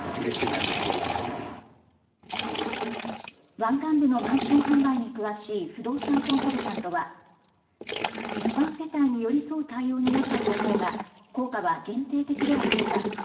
湾岸部のマンション販売に詳しい不動産コンサルタントは一般世帯に寄り添う対応になったと思うが効果は限定的ではないか。